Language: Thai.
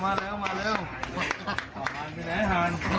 ออกมาไปไหนอาหาร